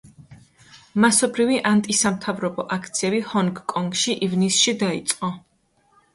მასობრივი ანტისამთავრობო აქციები ჰონგ-კონგში ივნისში დაიწყო.